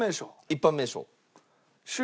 一般名称。